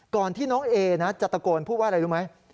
ก่อนที่น้องเอนะจะตะโกนพูดว่าอะไรรู้ไหม